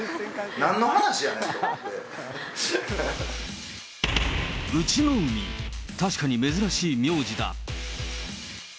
なんの話やうちのうみ、確かに珍しい名字だ。